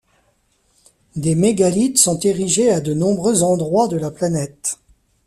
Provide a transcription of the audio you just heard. Des mégalithes sont érigés à de nombreux endroits de la planète.